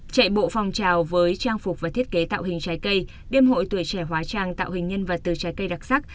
chạy bộ phòng trào với trang phục và thiết kế tạo hình trái cây đêm hội tuổi trẻ hóa trang tạo hình nhân vật từ trái cây đặc sắc